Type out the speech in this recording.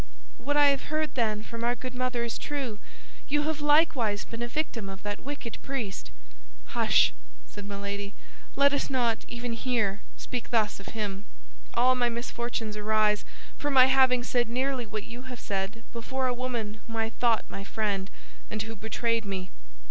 "What I have heard, then, from our good mother is true; you have likewise been a victim of that wicked priest." "Hush!" said Milady; "let us not, even here, speak thus of him. All my misfortunes arise from my having said nearly what you have said before a woman whom I thought my friend, and who betrayed me.